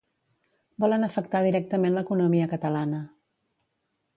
Volen afectar directament l’economia catalana.